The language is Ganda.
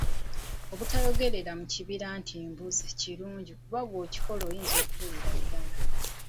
Obutayogerera mu kibira nti mbuzze kirungi kuba bw'okikola oyinza okubulira ddala.